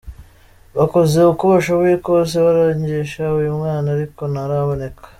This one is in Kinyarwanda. Bakoze uko bashoboye koze barangisha uyu mwana ariko ntaraboneka.